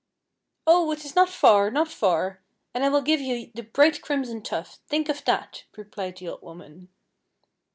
"Oh, it is not far! not far! and I will give you the bright crimson tuft think of that," replied the old woman.